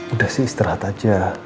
udah sih istirahat aja